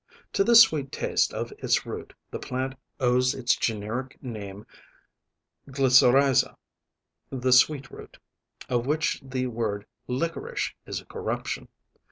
To this sweet taste of its root the plant owes its generic name Glycyrrhiza ([Greek: glykyrrhiza], the sweet root), of which the word liquorice is a corruption.